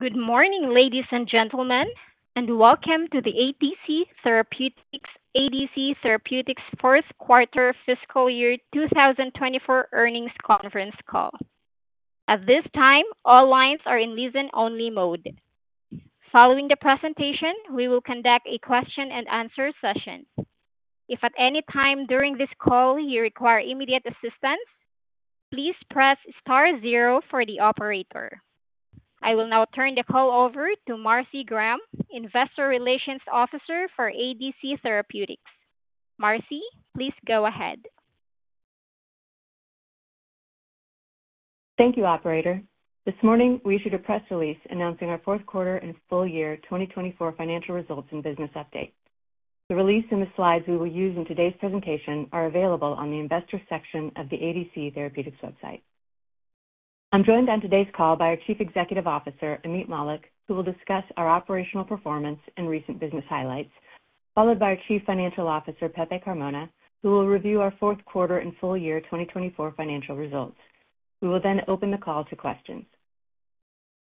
Good morning, ladies and gentlemen, and welcome to the ADC Therapeutics' Fourth Quarter Fiscal Year 2024 Earnings Conference Call. At this time, all lines are in listen-only mode. Following the presentation, we will conduct a question-and-answer session. If at any time during this call you require immediate assistance, please press star zero for the operator. I will now turn the call over to Marcy Graham, Investor Relations Officer for ADC Therapeutics. Marcy, please go ahead. Thank you, Operator. This morning, we issued a press release announcing our fourth quarter and full year 2024 financial results and business update. The release and the slides we will use in today's presentation are available on the Investor section of the ADC Therapeutics website. I'm joined on today's call by our Chief Executive Officer, Ameet Mallik, who will discuss our operational performance and recent business highlights, followed by our Chief Financial Officer, Pepe Carmona, who will review our fourth quarter and full year 2024 financial results. We will then open the call to questions.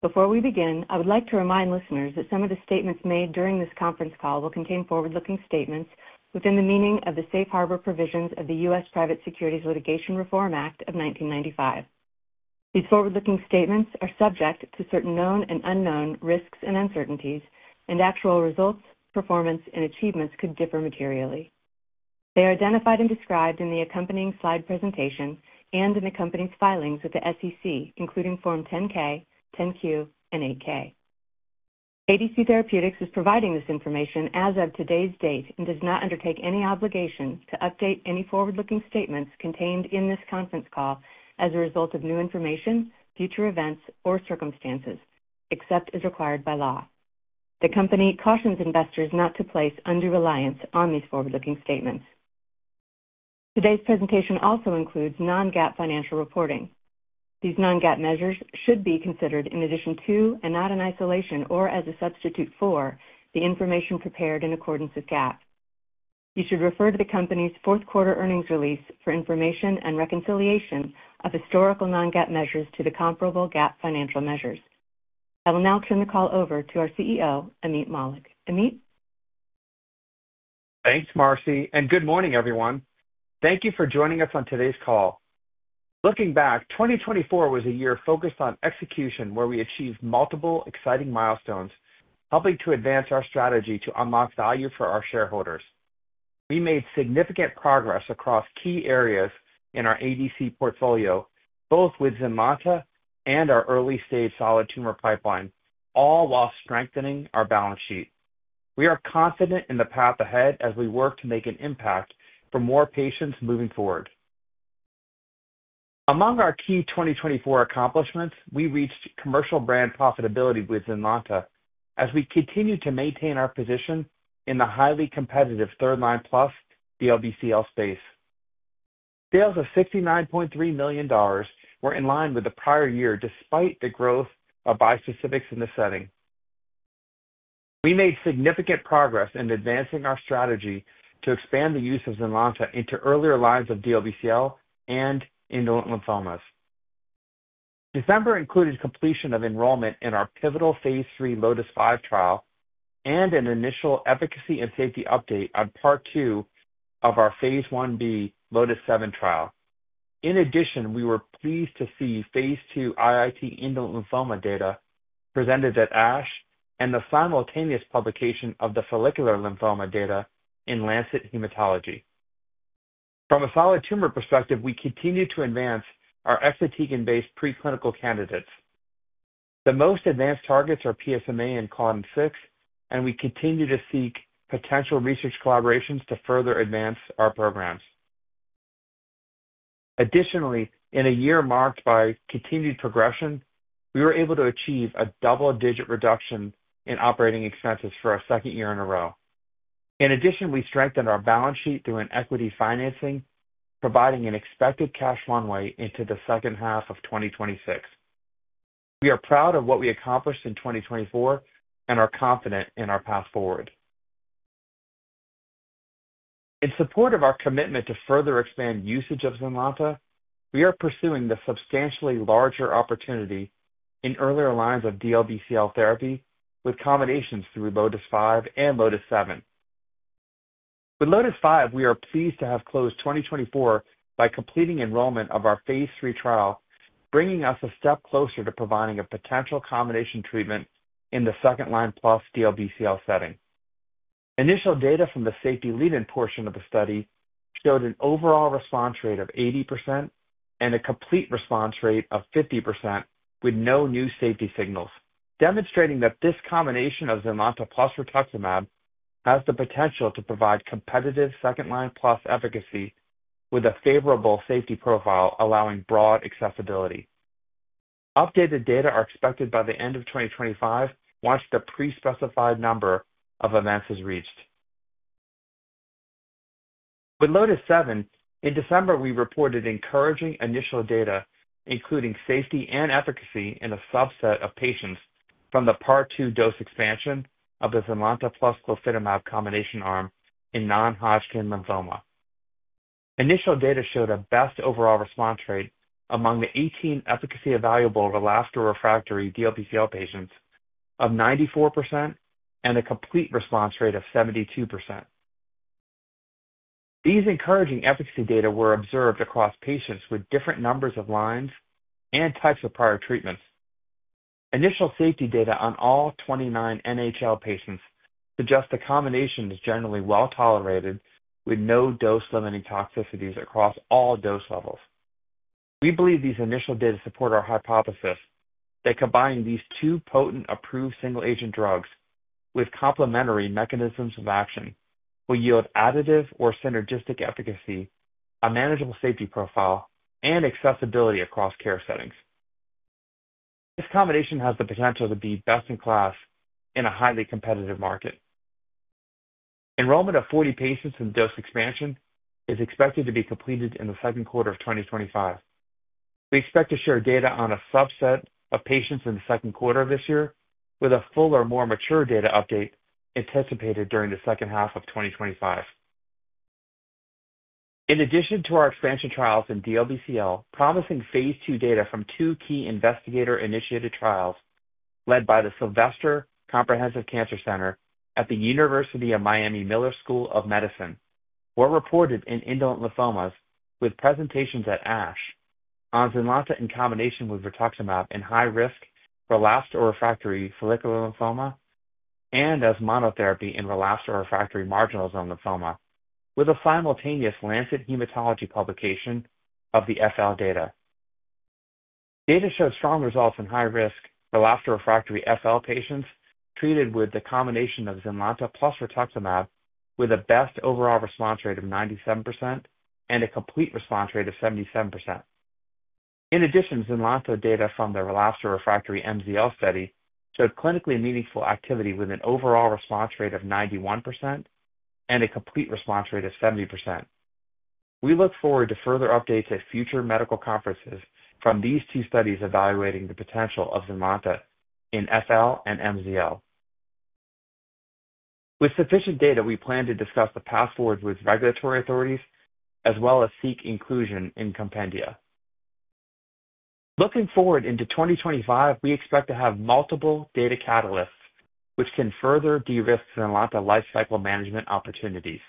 Before we begin, I would like to remind listeners that some of the statements made during this conference call will contain forward-looking statements within the meaning of the Safe Harbor Provisions of the U.S. Private Securities Litigation Reform Act of 1995. These forward-looking statements are subject to certain known and unknown risks and uncertainties, and actual results, performance, and achievements could differ materially. They are identified and described in the accompanying slide presentation and in the company's filings with the SEC, including Form 10-K, 10-Q, and 8-K. ADC Therapeutics is providing this information as of today's date and does not undertake any obligation to update any forward-looking statements contained in this conference call as a result of new information, future events, or circumstances, except as required by law. The company cautions investors not to place undue reliance on these forward-looking statements. Today's presentation also includes non-GAAP financial reporting. These non-GAAP measures should be considered in addition to, and not in isolation or as a substitute for, the information prepared in accordance with GAAP. You should refer to the company's fourth quarter earnings release for information and reconciliation of historical non-GAAP measures to the comparable GAAP financial measures. I will now turn the call over to our CEO, Ameet Mallik. Ameet? Thanks, Marcy, and good morning, everyone. Thank you for joining us on today's call. Looking back, 2024 was a year focused on execution where we achieved multiple exciting milestones, helping to advance our strategy to unlock value for our shareholders. We made significant progress across key areas in our ADC portfolio, both with ZYNLONTA and our early-stage solid tumor pipeline, all while strengthening our balance sheet. We are confident in the path ahead as we work to make an impact for more patients moving forward. Among our key 2024 accomplishments, we reached commercial brand profitability with ZYNLONTA as we continue to maintain our position in the highly competitive third line plus DLBCL space. Sales of $69.3 million were in line with the prior year despite the growth of bispecifics in this setting. We made significant progress in advancing our strategy to expand the use of ZYNLONTA into earlier lines of DLBCL and indolent lymphomas. December included completion of enrollment in our pivotal phase III LOTIS-5 trial and an initial efficacy and safety update on Part 2 of our phase 1b LOTIS-7 trial. In addition, we were pleased to see phase II IIT indolent lymphoma data presented at ASH and the simultaneous publication of the follicular lymphoma data in Lancet Haematology. From a solid tumor perspective, we continue to advance our exatecan-based preclinical candidates. The most advanced targets are PSMA and Claudin-6, and we continue to seek potential research collaborations to further advance our programs. Additionally, in a year marked by continued progression, we were able to achieve a double-digit reduction in operating expenses for our second year in a row. In addition, we strengthened our balance sheet through an equity financing, providing an expected cash runway into the second half of 2026. We are proud of what we accomplished in 2024 and are confident in our path forward. In support of our commitment to further expand usage of ZYNLONTA, we are pursuing the substantially larger opportunity in earlier lines of DLBCL therapy with combinations through LOTIS-5 and LOTIS-7. With LOTIS-5, we are pleased to have closed 2024 by completing enrollment of our phase III trial, bringing us a step closer to providing a potential combination treatment in the second line plus DLBCL setting. Initial data from the safety lead-in portion of the study showed an overall response rate of 80% and a complete response rate of 50% with no new safety signals, demonstrating that this combination of ZYNLONTA + rituximab has the potential to provide competitive second line plus efficacy with a favorable safety profile allowing broad accessibility. Updated data are expected by the end of 2025 once the pre-specified number of events is reached. With LOTIS-7, in December, we reported encouraging initial data, including safety and efficacy in a subset of patients from the Part 2 dose expansion of the ZYNLONTA + glofitamab combination arm in non-Hodgkin lymphoma. Initial data showed a best overall response rate among the 18 efficacy evaluable relapsed/refractory DLBCL patients of 94% and a complete response rate of 72%. These encouraging efficacy data were observed across patients with different numbers of lines and types of prior treatments. Initial safety data on all 29 NHL patients suggest the combination is generally well tolerated with no dose-limiting toxicities across all dose levels. We believe these initial data support our hypothesis that combining these two potent approved single-agent drugs with complementary mechanisms of action will yield additive or synergistic efficacy, a manageable safety profile, and accessibility across care settings. This combination has the potential to be best in class in a highly competitive market. Enrollment of 40 patients in dose expansion is expected to be completed in the second quarter of 2025. We expect to share data on a subset of patients in the second quarter of this year, with a full or more mature data update anticipated during the second half of 2025. In addition to our expansion trials in DLBCL, promising phase II data from two key investigator-initiated trials led by the Sylvester Comprehensive Cancer Center at the University of Miami Miller School of Medicine were reported in indolent lymphomas with presentations at ASH on ZYNLONTA in combination with rituximab in high-risk relapsed/refractory follicular lymphoma and as monotherapy in relapsed/refractory marginal zone lymphoma, with a simultaneous Lancet Haematology publication of the FL data. Data show strong results in high-risk relapsed/refractory FL patients treated with the combination of ZYNLONTA + rituximab with a best overall response rate of 97% and a complete response rate of 77%. In addition, ZYNLONTA data from the relapsed/refractory MZL study showed clinically meaningful activity with an overall response rate of 91% and a complete response rate of 70%. We look forward to further updates at future medical conferences from these two studies evaluating the potential of ZYNLONTA in FL and MZL. With sufficient data, we plan to discuss the path forward with regulatory authorities as well as seek inclusion in compendia. Looking forward into 2025, we expect to have multiple data catalysts which can further de-risk ZYNLONTA lifecycle management opportunities.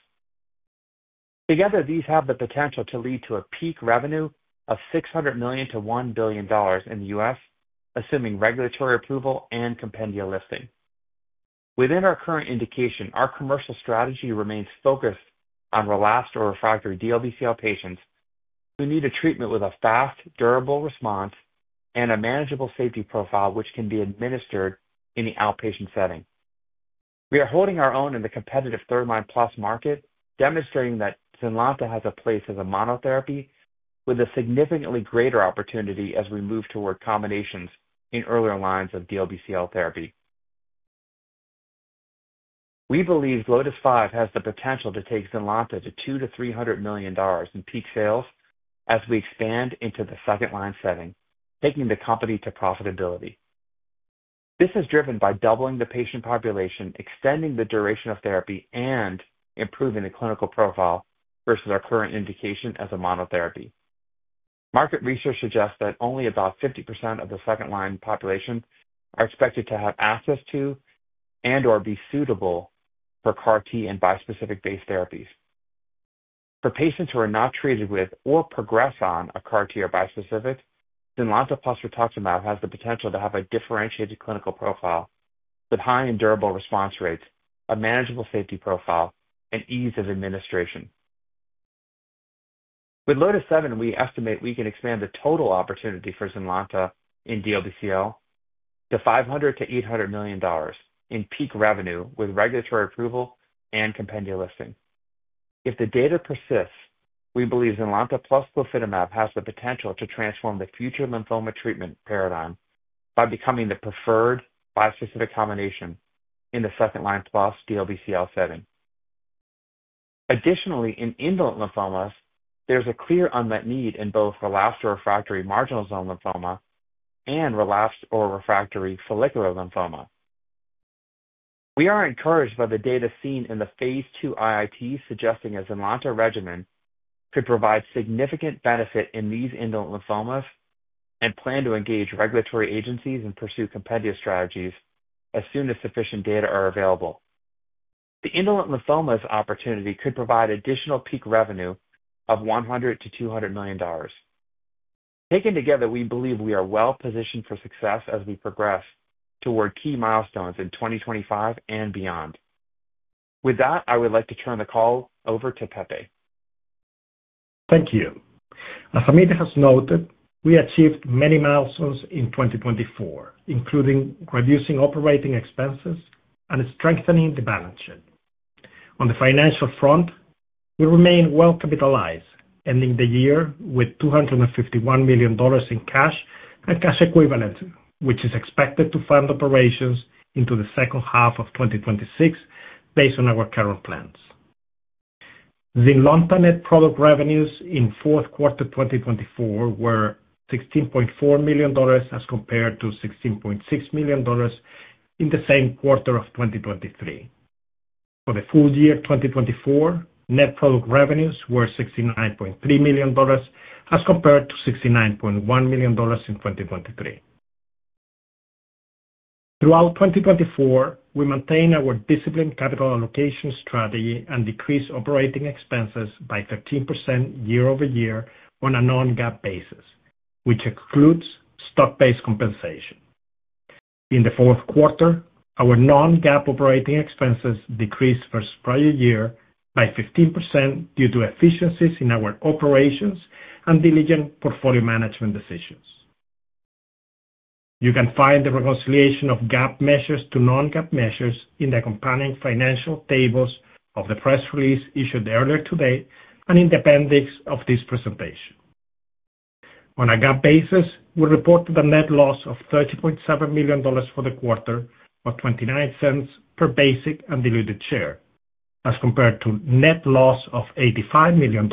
Together, these have the potential to lead to a peak revenue of $600 million-$1 billion in the U.S., assuming regulatory approval and compendia listing. Within our current indication, our commercial strategy remains focused on relapsed/refractory DLBCL patients who need a treatment with a fast, durable response and a manageable safety profile which can be administered in the outpatient setting. We are holding our own in the competitive third line plus market, demonstrating that ZYNLONTA has a place as a monotherapy with a significantly greater opportunity as we move toward combinations in earlier lines of DLBCL therapy. We believe LOTIS-5 has the potential to take ZYNLONTA to $200 million-$300 million in peak sales as we expand into the second line setting, taking the company to profitability. This is driven by doubling the patient population, extending the duration of therapy, and improving the clinical profile versus our current indication as a monotherapy. Market research suggests that only about 50% of the second line population are expected to have access to and/or be suitable for CAR-T and bispecific-based therapies. For patients who are not treated with or progress on a CAR-T or bispecific, ZYNLONTA + rituximab has the potential to have a differentiated clinical profile with high and durable response rates, a manageable safety profile, and ease of administration. With LOTIS-7, we estimate we can expand the total opportunity for ZYNLONTA in DLBCL to $500 million-$800 million in peak revenue with regulatory approval and compendia listing. If the data persists, we believe ZYNLONTA + glofitamab has the potential to transform the future lymphoma treatment paradigm by becoming the preferred bispecific combination in the second line plus DLBCL setting. Additionally, in indolent lymphomas, there is a clear unmet need in both relapsed/refractory marginal zone lymphoma and relapsed/refractory follicular lymphoma. We are encouraged by the data seen in the phase II IIT suggesting a ZYNLONTA regimen could provide significant benefit in these indolent lymphomas and plan to engage regulatory agencies and pursue compendia strategies as soon as sufficient data are available. The indolent lymphomas opportunity could provide additional peak revenue of $100 million-$200 million. Taken together, we believe we are well positioned for success as we progress toward key milestones in 2025 and beyond. With that, I would like to turn the call over to Pepe. Thank you. As Ameet has noted, we achieved many milestones in 2024, including reducing operating expenses and strengthening the balance sheet. On the financial front, we remain well capitalized, ending the year with $251 million in cash and cash equivalents, which is expected to fund operations into the second half of 2026 based on our current plans. ZYNLONTA net product revenues in fourth quarter 2024 were $16.4 million as compared to $16.6 million in the same quarter of 2023. For the full year 2024, net product revenues were $69.3 million as compared to $69.1 million in 2023. Throughout 2024, we maintained our disciplined capital allocation strategy and decreased operating expenses by 13% year over year on a non-GAAP basis, which excludes stock-based compensation. In the fourth quarter, our non-GAAP operating expenses decreased versus prior year by 15% due to efficiencies in our operations and diligent portfolio management decisions. You can find the reconciliation of GAAP measures to non-GAAP measures in the accompanying financial tables of the press release issued earlier today and in the appendix of this presentation. On a GAAP basis, we reported a net loss of $30.7 million for the quarter of $0.29 per basic and diluted share as compared to net loss of $85 million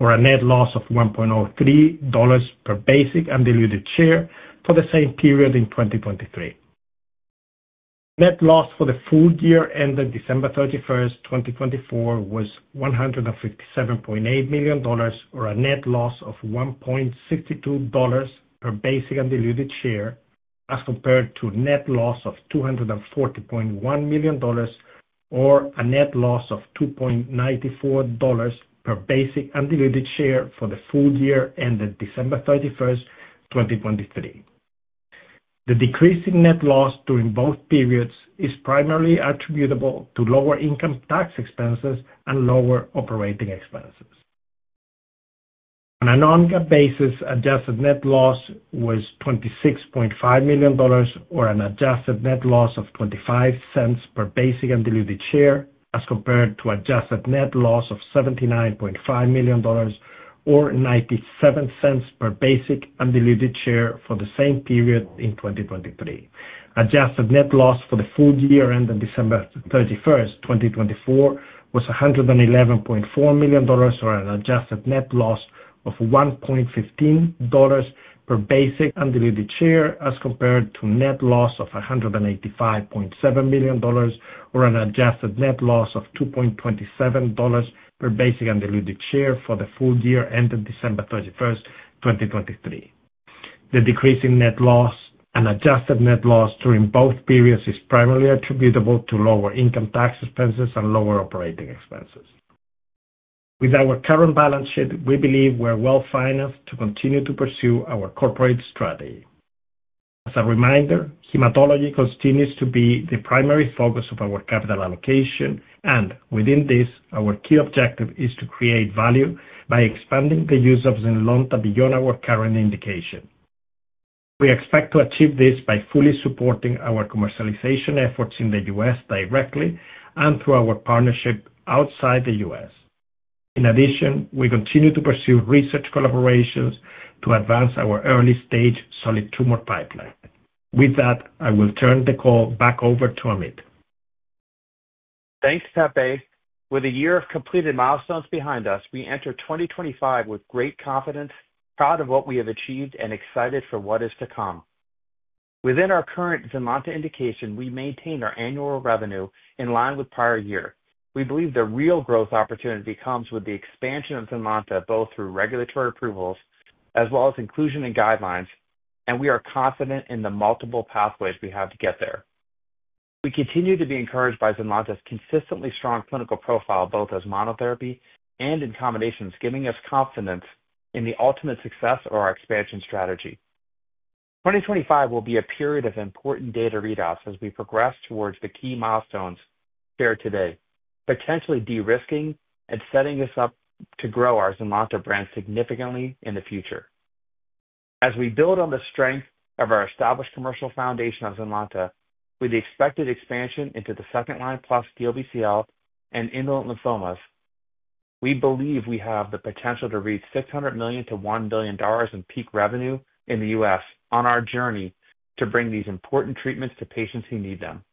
or a net loss of $1.03 per basic and diluted share for the same period in 2023. Net loss for the full year ended December 31, 2024, was $157.8 million or a net loss of $1.62 per basic and diluted share as compared to net loss of $240.1 million or a net loss of $2.94 per basic and diluted share for the full year ended December 31, 2023. The decrease in net loss during both periods is primarily attributable to lower income tax expenses and lower operating expenses. On a non-GAAP basis, adjusted net loss was $26.5 million or an adjusted net loss of $0.25 per basic and diluted share as compared to adjusted net loss of $79.5 million or $0.97 per basic and diluted share for the same period in 2023. Adjusted net loss for the full year ended December 31, 2024, was $111.4 million or an adjusted net loss of $1.15 per basic and diluted share as compared to net loss of $185.7 million or an adjusted net loss of $2.27 per basic and diluted share for the full year ended December 31, 2023. The decrease in net loss and adjusted net loss during both periods is primarily attributable to lower income tax expenses and lower operating expenses. With our current balance sheet, we believe we are well financed to continue to pursue our corporate strategy. As a reminder, hematology continues to be the primary focus of our capital allocation, and within this, our key objective is to create value by expanding the use of ZYNLONTA beyond our current indication. We expect to achieve this by fully supporting our commercialization efforts in the U.S. directly and through our partnership outside the U.S. In addition, we continue to pursue research collaborations to advance our early-stage solid tumor pipeline. With that, I will turn the call back over to Ameet. Thanks, Pepe. With a year of completed milestones behind us, we enter 2025 with great confidence, proud of what we have achieved, and excited for what we have to come. Within our current ZYNLONTA indication, we maintain our annual revenue in line with prior year. We believe the real growth opportunity comes with the expansion of ZYNLONTA both through regulatory approvals as well as inclusion in guidelines, and we are confident in the multiple pathways we have to get there. We continue to be encouraged by ZYNLONTA's consistently strong clinical profile both as monotherapy and in combinations, giving us confidence in the ultimate success of our expansion strategy. 2025 will be a period of important data readouts as we progress towards the key milestones shared today, potentially de-risking and setting us up to grow our ZYNLONTA brand significantly in the future. As we build on the strength of our established commercial foundation of ZYNLONTA with the expected expansion into the second line plus DLBCL and indolent lymphomas, we believe we have the potential to reach $600 million-$1 billion in peak revenue in the U.S. on our journey to bring these important treatments to patients who need them.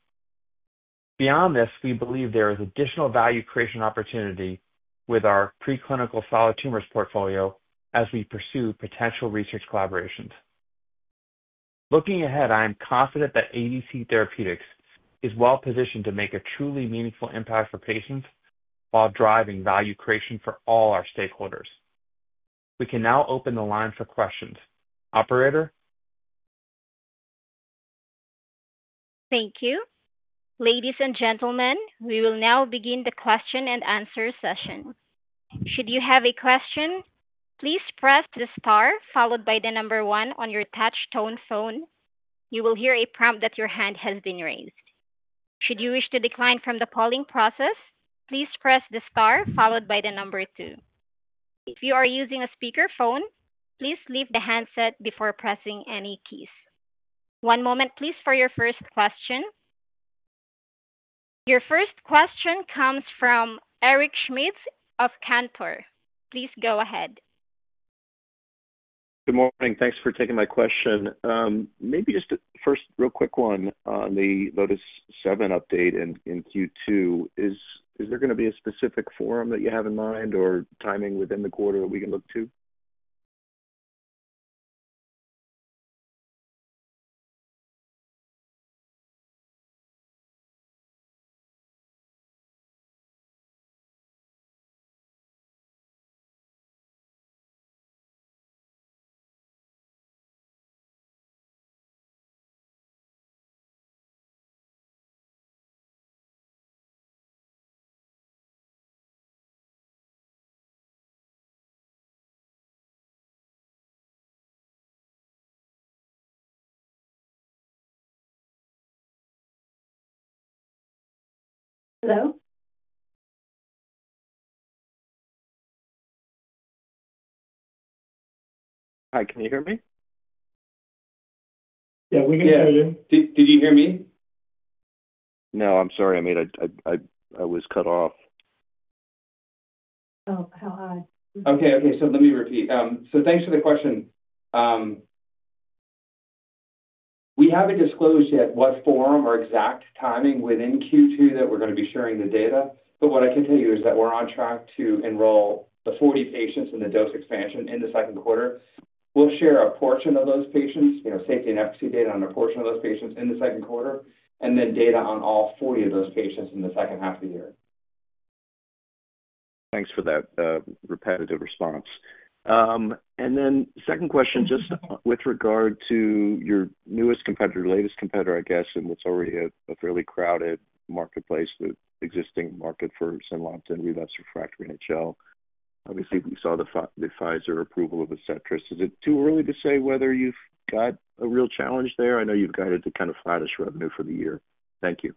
Beyond this, we believe there is additional value creation opportunity with our pre-clinical solid tumors portfolio as we pursue potential research collaborations. Looking ahead, I am confident that ADC Therapeutics is well positioned to make a truly meaningful impact for patients while driving value creation for all our stakeholders. We can now open the line for questions. Operator? Thank you. Ladies and gentlemen, we will now begin the question and answer session. Should you have a question, please press the star followed by the number one on your touch-tone phone. You will hear a prompt that your hand has been raised. Should you wish to decline from the calling process, please press the star followed by the number two. If you are using a speakerphone, please leave the handset before pressing any keys. One moment, please, for your first question. Your first question comes from Eric Schmidt of Cantor. Please go ahead. Good morning. Thanks for taking my question. Maybe just first, real quick one on the LOTIS-7 update in Q2. Is there going to be a specific forum that you have in mind or timing within the quarter that we can look to? Hello? Hi. Can you hear me? Yeah, we can hear you. Did you hear me? No, I'm sorry, Ameet. I was cut off. Oh, how? Okay, okay. Let me repeat. Thanks for the question. We haven't disclosed yet what forum or exact timing within Q2 that we're going to be sharing the data. What I can tell you is that we're on track to enroll the 40 patients in the dose expansion in the second quarter. We'll share a portion of those patients, safety and efficacy data on a portion of those patients in the second quarter, and then data on all 40 of those patients in the second half of the year. Thanks for that repetitive response. Second question, just with regard to your newest competitor, latest competitor, I guess, in what's already a fairly crowded marketplace, the existing market for ZYNLONTA in relapsed-refractory NHL. Obviously, we saw the Pfizer approval of ADCETRIS. Is it too early to say whether you've got a real challenge there? I know you've guided to kind of flattish revenue for the year. Thank you.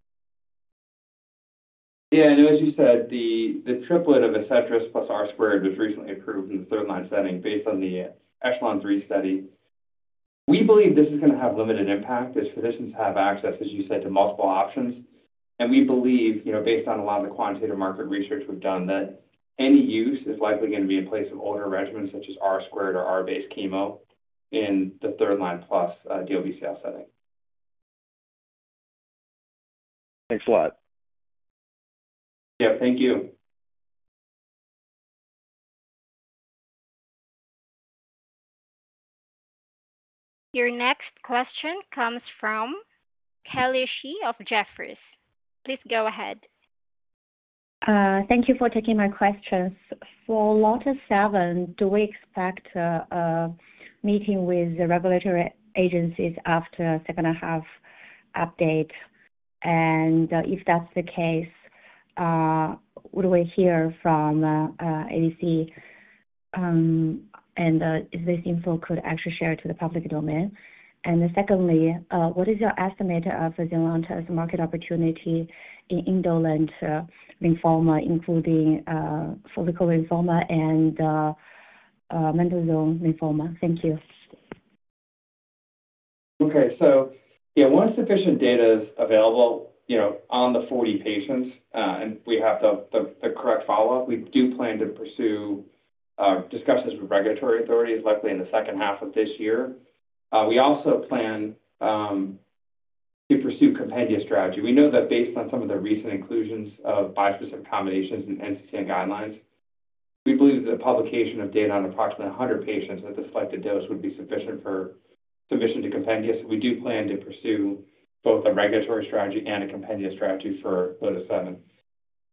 Yeah. As you said, the triplet of ADCETRIS + R-squared was recently approved in the third line setting based on the ECHELON-3 study. We believe this is going to have limited impact as physicians have access, as you said, to multiple options. We believe, based on a lot of the quantitative market research we've done, that any use is likely going to be in place of older regimens such as R-squared or R-based chemo in the third line plus DLBCL setting. Thanks a lot. Yep. Thank you. Your next question comes from Kelly Shi of Jefferies. Please go ahead. Thank you for taking my questions. For LOTIS-7, do we expect a meeting with the regulatory agencies after a second-half update? If that's the case, what do we hear from ADC? Is this info actually shared to the public domain? Secondly, what is your estimate of ZYNLONTA's market opportunity in indolent lymphoma, including follicular lymphoma and marginal zone lymphoma? Thank you. Okay. Yeah, once sufficient data is available on the 40 patients and we have the correct follow-up, we do plan to pursue discussions with regulatory authorities likely in the second half of this year. We also plan to pursue compendia strategy. We know that based on some of the recent inclusions of bispecific combinations and NCCN guidelines, we believe that the publication of data on approximately 100 patients at the selected dose would be sufficient for submission to compendia. We do plan to pursue both a regulatory strategy and a compendia strategy for LOTIS-7.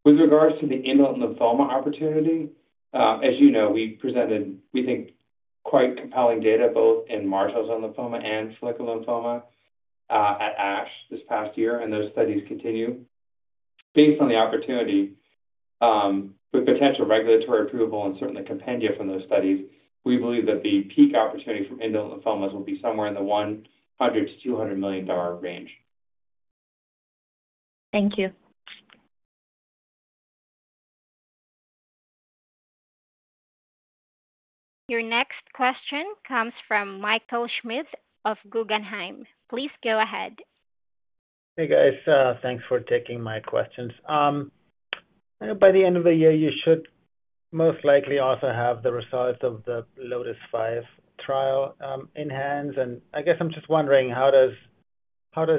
With regards to the indolent lymphoma opportunity, as you know, we presented, we think, quite compelling data both in marginal zone lymphoma and follicular lymphoma at ASH this past year, and those studies continue. Based on the opportunity, with potential regulatory approval and certainly compendia from those studies, we believe that the peak opportunity for indolent lymphomas will be somewhere in the $100 million-$200 million range. Thank you. Your next question comes from Michael Schmidt of Guggenheim. Please go ahead. Hey, guys. Thanks for taking my questions. I know by the end of the year, you should most likely also have the results of the LOTIS-5 trial in hands. I guess I'm just wondering, how does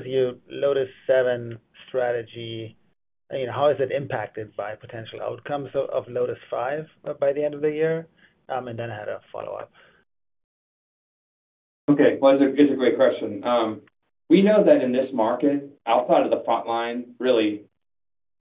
your LOTIS-7 strategy, how is it impacted by potential outcomes of LOTIS-5 by the end of the year? I had a follow-up. Okay. It's a great question. We know that in this market, outside of the front line, really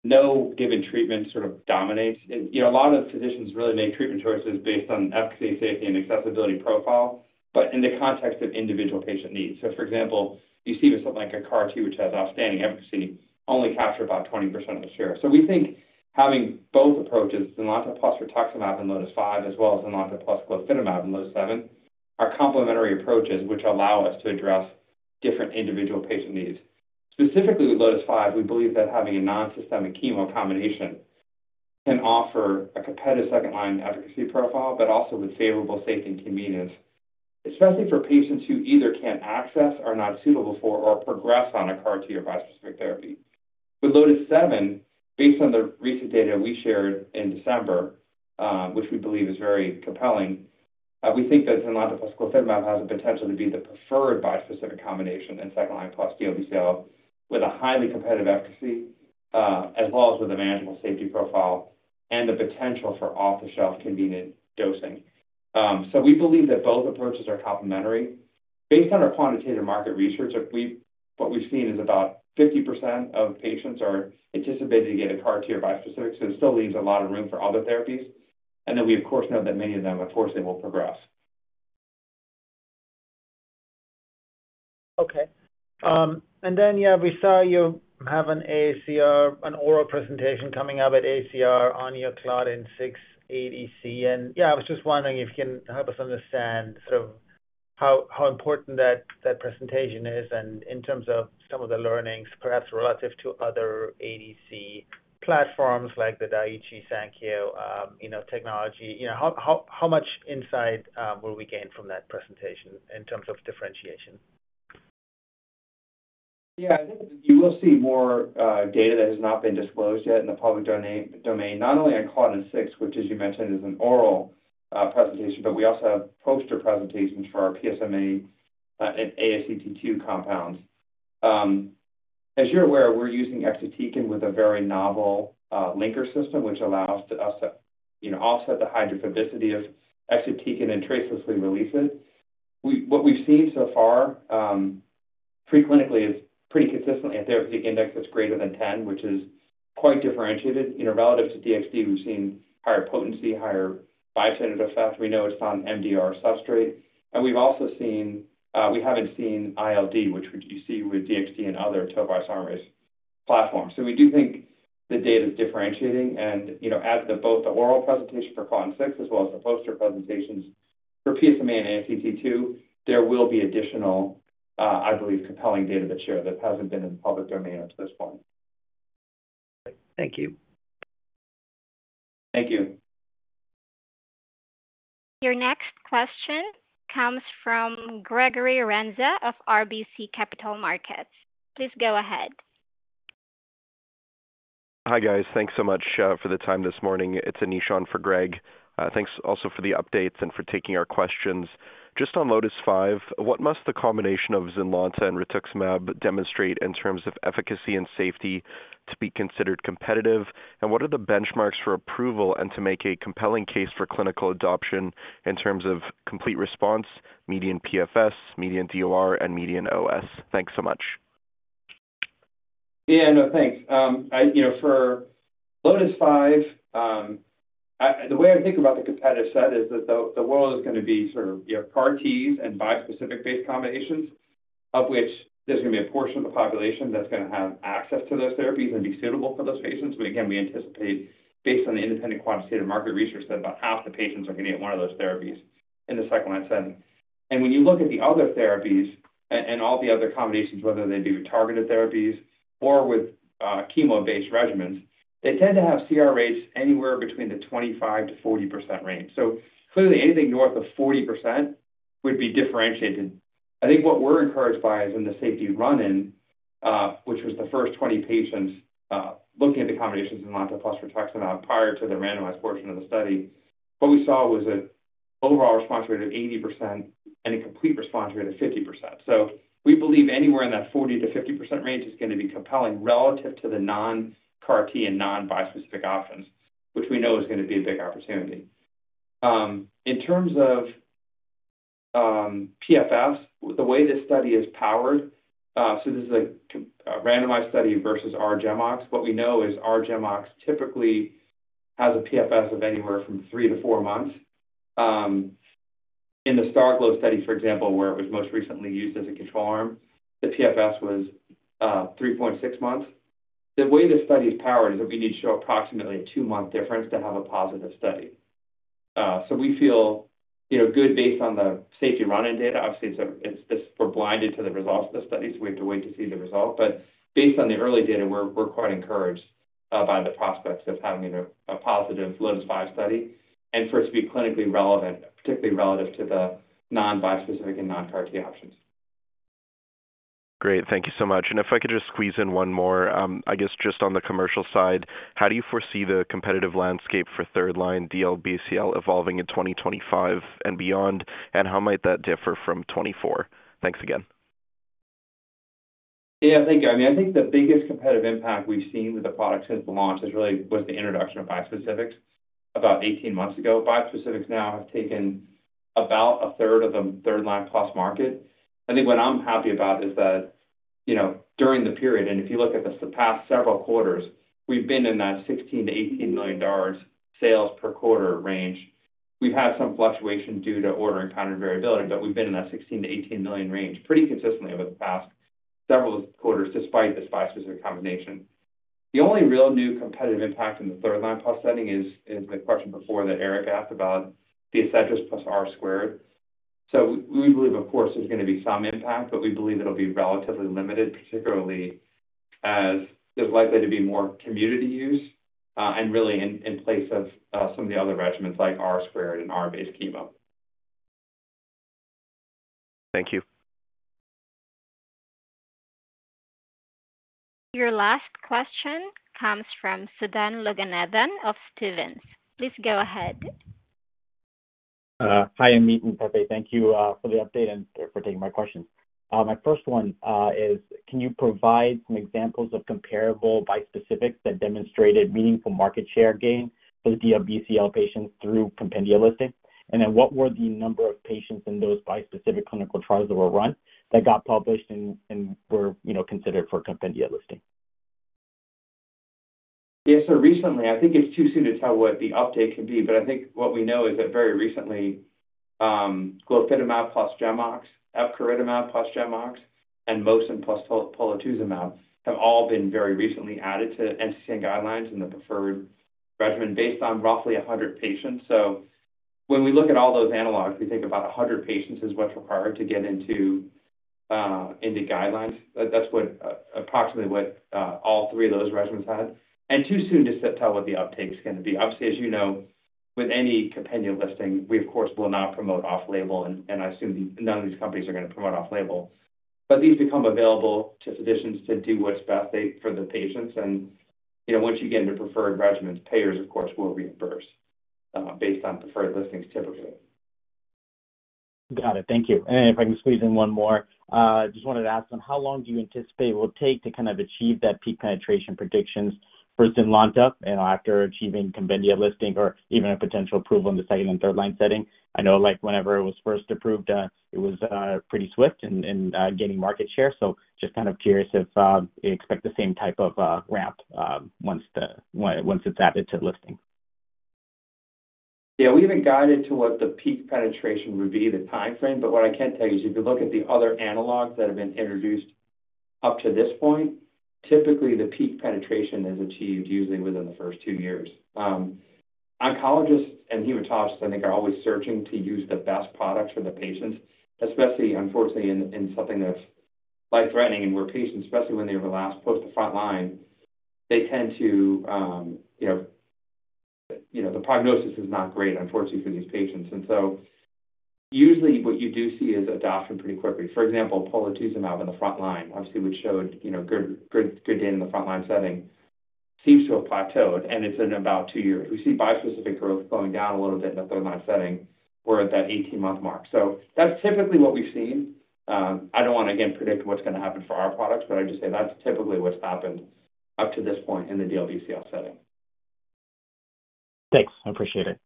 no given treatment sort of dominates. A lot of physicians really make treatment choices based on efficacy, safety, and accessibility profile, but in the context of individual patient needs. For example, you see with something like CAR-T, which has outstanding efficacy, only capture about 20% of the share. We think having both approaches, ZYNLONTA + rituximab in LOTIS-5, as well as ZYNLONTA + glofitamab in LOTIS-7, are complementary approaches which allow us to address different individual patient needs. Specifically with LOTIS-5, we believe that having a non-systemic chemo combination can offer a competitive second-line efficacy profile, but also with favorable safety and convenience, especially for patients who either can't access, are not suitable for, or progress on CAR-T or bispecific therapy. With LOTIS-7, based on the recent data we shared in December, which we believe is very compelling, we think that ZYNLONTA + glofitamab has the potential to be the preferred bispecific combination in second-line plus DLBCL with a highly competitive efficacy, as well as with a manageable safety profile and the potential for off-the-shelf convenient dosing. We believe that both approaches are complementary. Based on our quantitative market research, what we've seen is about 50% of patients are anticipated to get CAR-T or bispecific, so it still leaves a lot of room for other therapies. We, of course, know that many of them, unfortunately, will progress. Okay. Yeah, we saw you have an oral presentation coming up at AACR on your Claudin-6 ADC. I was just wondering if you can help us understand sort of how important that presentation is in terms of some of the learnings, perhaps relative to other ADC platforms like the Daiichi Sankyo technology. How much insight will we gain from that presentation in terms of differentiation? Yeah. You will see more data that has not been disclosed yet in the public domain, not only on Claudin-6, which, as you mentioned, is an oral presentation, but we also have poster presentations for our PSMA and ASCT2 compounds. As you're aware, we're using exatecan with a very novel linker system, which allows us to offset the hydrophobicity of exatecan and tracelessly release it. What we've seen so far preclinically is pretty consistently a therapeutic index that's greater than 10, which is quite differentiated. Relative to DXd, we've seen higher potency, higher bystander effect. We know it's not an MDR substrate. We've also seen we haven't seen ILD, which you see with DXd and other topoisomerase I platforms. We do think the data is differentiating. At both the oral presentation for Claudin-6 as well as the poster presentations for PSMA and ASCT2, there will be additional, I believe, compelling data to share that has not been in the public domain up to this point. Thank you. Thank you. Your next question comes from Gregory Renza of RBC Capital Markets. Please go ahead. Hi, guys. Thanks so much for the time this morning. It's Anish on for Greg. Thanks also for the updates and for taking our questions. Just on LOTIS-5, what must the combination of ZYNLONTA and rituximab demonstrate in terms of efficacy and safety to be considered competitive? What are the benchmarks for approval and to make a compelling case for clinical adoption in terms of complete response, median PFS, median DoR, and median OS? Thanks so much. Yeah. No, thanks. For LOTIS-5, the way I think about the competitive set is that the world is going to be sort of CAR-Ts and bispecific-based combinations, of which there's going to be a portion of the population that's going to have access to those therapies and be suitable for those patients. Again, we anticipate, based on the independent quantitative market research, that about half the patients are going to get one of those therapies in the second-line setting. When you look at the other therapies and all the other combinations, whether they be targeted therapies or with chemo-based regimens, they tend to have CR rates anywhere between the 25%-40% range. Clearly, anything north of 40% would be differentiated. I think what we're encouraged by is in the safety run-in, which was the first 20 patients looking at the combinations of ZYNLONTA + rituximab prior to the randomized portion of the study. What we saw was an overall response rate of 80% and a complete response rate of 50%. We believe anywhere in that 40%-50% range is going to be compelling relative to the non-CAR-T and non-bispecific options, which we know is going to be a big opportunity. In terms of PFS, the way this study is powered, this is a randomized study versus R-GemOx. What we know is R-GemOx typically has a PFS of anywhere from three to four months. In the STARGLO study, for example, where it was most recently used as a control arm, the PFS was 3.6 months. The way this study is powered is that we need to show approximately a two-month difference to have a positive study. We feel good based on the safety run-in data. Obviously, we're blinded to the results of the study, so we have to wait to see the result. Based on the early data, we're quite encouraged by the prospects of having a positive LOTIS-5 study and for it to be clinically relevant, particularly relative to the non-bispecific and non-CAR-T options. Great. Thank you so much. If I could just squeeze in one more, I guess just on the commercial side, how do you foresee the competitive landscape for third-line DLBCL evolving in 2025 and beyond, and how might that differ from 2024? Thanks again. Yeah. Thank you. I mean, I think the biggest competitive impact we've seen with the product since the launch was the introduction of bispecifics about 18 months ago. Bispecifics now have taken about a third of the third-line plus market. I think what I'm happy about is that during the period, and if you look at the past several quarters, we've been in that $16 million-$18 million sales per quarter range. We've had some fluctuation due to order and pattern variability, but we've been in that $16 million-$18 million range pretty consistently over the past several quarters despite this bispecific combination. The only real new competitive impact in the third-line plus setting is the question before that Eric asked about the ADCETRIS + R-squared. We believe, of course, there's going to be some impact, but we believe it'll be relatively limited, particularly as there's likely to be more community use and really in place of some of the other regimens like R-squared and R-based chemo. Thank you. Your last question comes from Sudan Loganathan of Stephens. Please go ahead. Hi, Ameet and Pepe. Thank you for the update and for taking my questions. My first one is, can you provide some examples of comparable bispecifics that demonstrated meaningful market share gain for the DLBCL patients through compendia listing? What were the number of patients in those bispecific clinical trials that were run that got published and were considered for compendia listing? Yeah. Recently, I think it's too soon to tell what the update could be, but I think what we know is that very recently, glofitamab + GemOx, epcoritamab + GemOx, and mosunetuzumab + polatuzumab have all been very recently added to NCCN guidelines and the preferred regimen based on roughly 100 patients. When we look at all those analogs, we think about 100 patients is what's required to get into guidelines. That's approximately what all three of those regimens had. It's too soon to tell what the uptake is going to be. Obviously, as you know, with any compendia listing, we, of course, will not promote off-label, and I assume none of these companies are going to promote off-label. These become available to physicians to do what's best for the patients. Once you get into preferred regimens, payers, of course, will reimburse based on preferred listings, typically. Got it. Thank you. If I can squeeze in one more, I just wanted to ask them, how long do you anticipate it will take to kind of achieve that peak penetration predictions for ZYNLONTA after achieving compendia listing or even a potential approval in the second and third-line setting? I know whenever it was first approved, it was pretty swift in gaining market share. Just kind of curious if you expect the same type of ramp once it's added to listing. Yeah. We haven't guided to what the peak penetration would be, the timeframe, but what I can tell you is if you look at the other analogs that have been introduced up to this point, typically the peak penetration is achieved usually within the first two years. Oncologists and hematologists, I think, are always searching to use the best products for the patients, especially, unfortunately, in something that's life-threatening and where patients, especially when they overlap post the front line, they tend to the prognosis is not great, unfortunately, for these patients. Usually what you do see is adoption pretty quickly. For example, polatuzumab in the front line, obviously, which showed good data in the front line setting, seems to have plateaued, and it's in about two years. We see bispecific growth going down a little bit in the third-line setting or at that 18-month mark. That's typically what we've seen. I don't want to, again, predict what's going to happen for our products, but I just say that's typically what's happened up to this point in the DLBCL setting. Thanks. I appreciate it.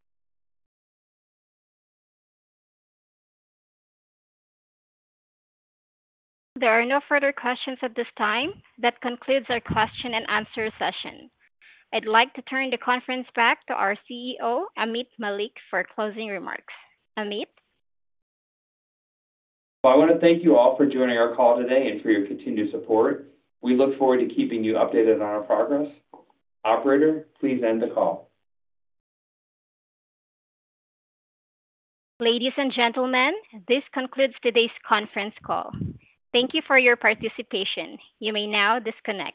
There are no further questions at this time. That concludes our question and answer session. I'd like to turn the conference back to our CEO, Ameet Mallik, for closing remarks. Ameet? I want to thank you all for joining our call today and for your continued support. We look forward to keeping you updated on our progress. Operator, please end the call. Ladies and gentlemen, this concludes today's conference call. Thank you for your participation. You may now disconnect.